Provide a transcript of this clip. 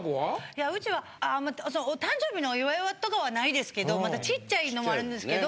いやうちは誕生日のお祝いとかはないですけどまだちっちゃいのもあるんですけど